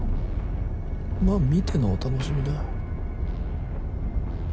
まあ見てのお楽しみだ。